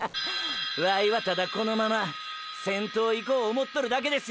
ワイはただこのまま先頭いこう思っとるだけですよ。